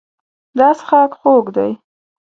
دا څښاک خوږ دی.